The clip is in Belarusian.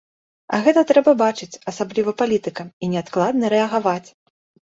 А гэта трэба бачыць, асабліва палітыкам, і неадкладна рэагаваць.